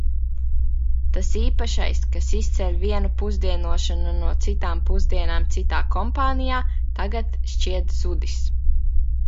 Tas īpašais, kas izceļ vienu pusdienošanu no citām pusdienām citā kompānijā, tagad šķiet zudis.